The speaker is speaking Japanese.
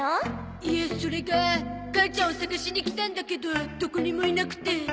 いえそれが母ちゃんを捜しに来たんだけどどこにもいなくて。